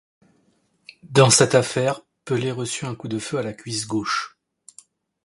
Dans cette affaire, Pellé reçut un coup de feu à la cuisse gauche.